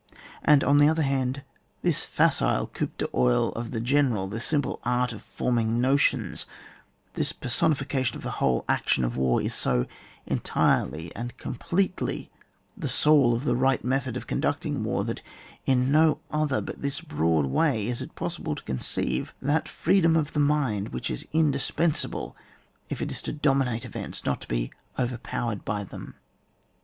And on the other hand, this facile coup d'ceil of the general, this simple art of forming no tions, this personification of the whole action of war, is so entirely and com pletely the soul of the right method of conducting war, that in no other but this broad way is it possible to conceive that freedom of the mind which is indispens able if it is to dominate events, not to be overpowered by them.